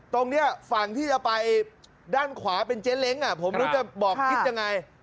ตรงเนี้ยฝั่งที่จะไปด้านขวาเป็นเจ๊เล้งอ่ะผมรู้จะบอกกิ๊ดยังไง